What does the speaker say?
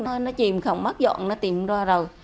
nó chìm không mắt dọn nó tìm ra rồi